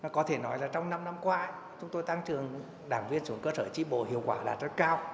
có thể nói là trong năm năm qua chúng tôi tăng trường đảng viên xuống cơ sở tri bộ hiệu quả là rất cao